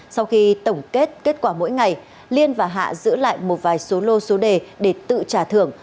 sau khi tổng kết kết quả mỗi ngày liên và hạ giữ lại một vài số lô số đề để tự trả thưởng